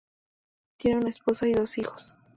Tiene una esposa y dos hijos.